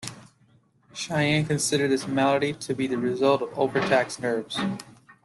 Cheyne considered this malady to be the result of over-taxed nerves.